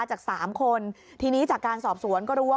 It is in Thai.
จากสามคนทีนี้จากการสอบสวนก็รู้ว่า